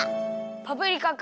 パプリカか。